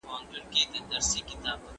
زه هڅه کوم چې په منظم ډول سنکس وخورم.